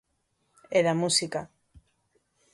E da música.